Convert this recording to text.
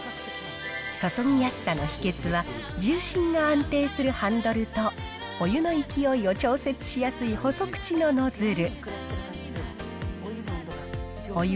注ぎやすさの秘けつは、重心の安定するハンドルと、お湯の勢いを調節しやすい細口のノズル。